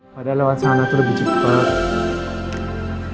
padahal lewat sana tuh lebih cepat